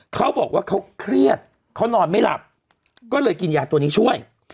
เขาบอกว่าเขาเครียดเขานอนไม่หลับก็เลยกินยาตัวนี้ช่วย